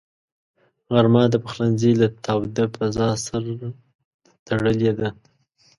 غرمه د پخلنځي له تاوده فضاء سره تړلې ده